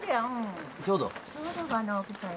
ちょうどや。